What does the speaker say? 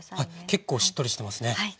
結構しっとりしてますね。